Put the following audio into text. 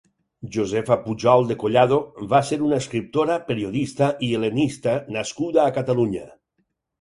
Josefa Pujol de Collado va ser una escriptora, periodista i hel·lenista nascuda a Catalunya.